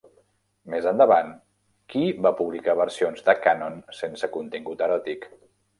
Més endavant, Key va publicar versions de "Kanon" sense contingut eròtic.